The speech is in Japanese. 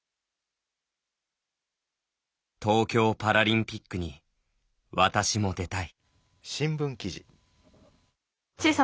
東京パラリンピックに私も出たい。